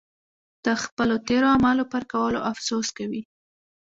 د خپلو تېرو اعمالو پر کولو افسوس کوي.